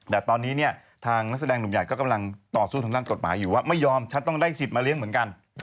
แต่ตอนนี้เนี่ยทางนักแสดงหนุ่มใหญ่ก็กำลังต่อสู้ทางด้านกฎหมายอยู่ว่าไม่ยอมฉันต้องได้สิทธิ์มาเลี้ยงเหมือนกัน